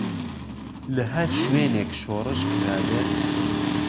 لە هەر شوێنێك شۆرش کرا بێت.